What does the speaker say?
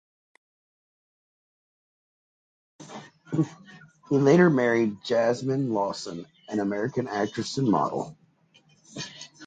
He later married Jasmine Lawson, an American actress and model.